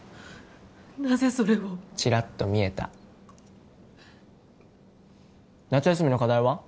なぜそれをチラッと見えた夏休みの課題は？